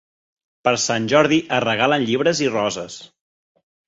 Per sant Jordi es regalen llibres i roses.